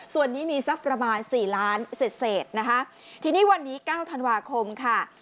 ส่วนนี้มีสักประมาณสี่ล้านเศษนะคะทีนี้วันนี้เก้าธันวาคมค่ะ